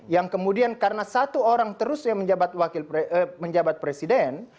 yang kemudian karena satu orang terusnya menjabat presiden